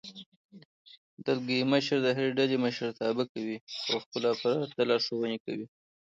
دلګی مشر د هرې ډلې مشرتابه کوي او خپلو افرادو ته لارښوونې ورکوي.